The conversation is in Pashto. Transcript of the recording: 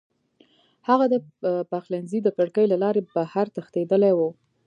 هغه د پخلنځي د کړکۍ له لارې بهر تښتېدلی و